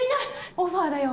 オファーだよ。